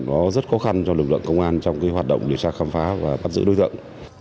nó rất khó khăn cho lực lượng công an trong cái hoạt động điều tra khám phá và bắt giữ đối tượng